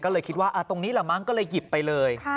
ก็เลยคิดว่าตรงนี้แหละมั้งก็เลยหยิบไปเลย